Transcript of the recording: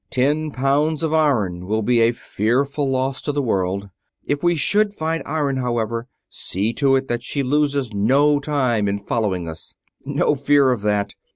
Ten pounds of iron will be a fearful loss to the world. If we should find iron, however, see to it that she loses no time in following us." "No fear of that!